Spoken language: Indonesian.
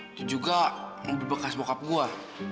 itu juga mobil bekas bokap gua